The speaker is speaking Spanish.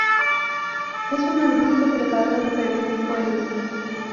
Es un arbusto trepador perennifolio.